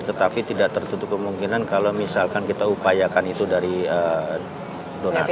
tetapi tidak tertutup kemungkinan kalau misalkan kita upayakan itu dari donatur